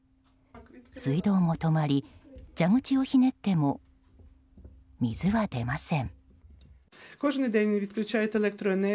水道も止まり、蛇口をひねっても水は出ません。